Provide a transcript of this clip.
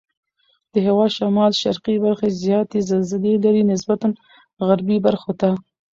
د هېواد شمال شرقي برخې زیاتې زلزلې لري نسبت غربي برخو ته.